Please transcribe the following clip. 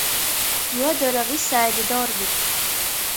Juodora vysaidi dorbi.